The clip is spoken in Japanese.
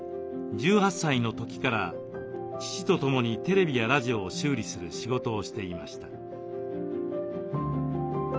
１８歳の時から父とともにテレビやラジオを修理する仕事をしていました。